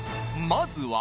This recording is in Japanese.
［まずは］